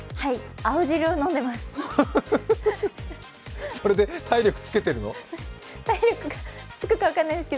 青汁を飲んでます。